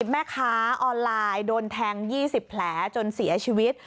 แม่ค้าออนไลน์โดนแทง๒๐แผลจนเสียชีวิต